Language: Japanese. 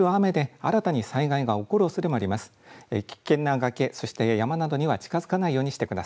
このあと降る雨で新たに災害が起こるおそれもあります。